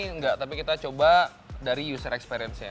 enggak tapi kita coba dari user experience nya